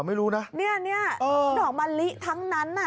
ไม่รู้นะเนี้ยเนี้ยอ่าดอกมะลิทั้งนั้นน่ะ